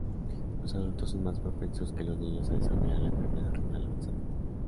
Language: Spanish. Los adultos son más propensos que los niños a desarrollar la enfermedad renal avanzada.